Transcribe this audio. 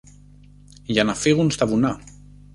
για να φύγουν στα βουνά